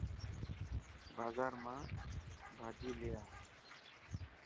بازار مان ڀاچي لي آءِ.